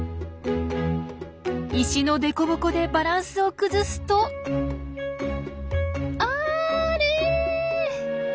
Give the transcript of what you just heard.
石のデコボコでバランスを崩すとあれ。